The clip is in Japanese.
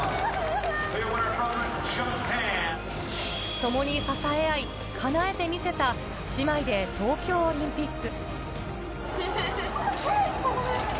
ともに支え合い、叶えてみせた姉妹で東京オリンピック。